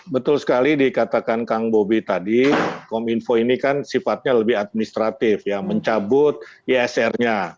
betul sekali dikatakan kang bobi tadi kominfo ini kan sifatnya lebih administratif ya mencabut isr nya